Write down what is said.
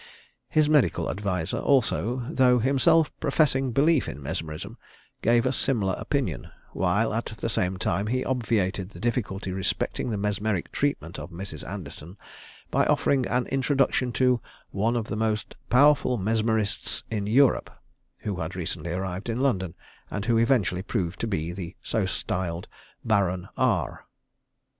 His medical adviser also, though himself professing belief in mesmerism, gave a similar opinion, while at the same time he obviated the difficulty respecting the mesmeric treatment of Mrs. Anderton, by offering an introduction to "one of the most powerful mesmerists in Europe," who had recently arrived in London, and who eventually proved to be the so styled Baron R.